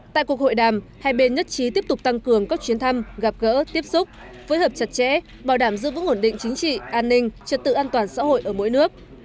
tại cuộc hội đàm hai bên nhất trí tiếp tục tăng cường các chuyến thăm gặp gỡ tiếp xúc phối hợp chặt chẽ bảo đảm giữ vững ổn định chính trị an ninh trật tự an toàn xã hội ở mỗi nước